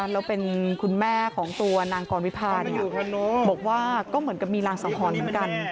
แล้วเป็นคุณแม่ของตัวนางกรวิพาบอกว่าก็เหมือนกับมีรางสังหรณ์เหมือนกัน